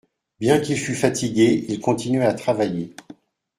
Bien qu’il fût fatigué, il continuait à travailler.